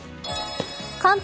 関東